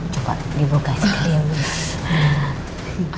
coba dibuka istilahnya